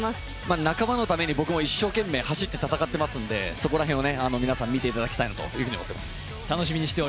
仲間のために僕も一生懸命走って戦っていますのでそこだけ皆さん見ていただきたいなと思います。